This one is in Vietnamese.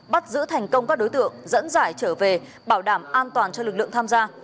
bắt giữ thành công các đối tượng dẫn giải trở về bảo đảm an toàn cho lực lượng tham gia